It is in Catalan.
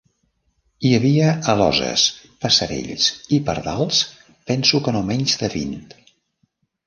Hi havia aloses, passerells i pardals, penso que no menys de vint.